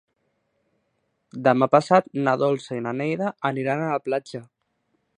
Demà passat na Dolça i na Neida aniran a la platja.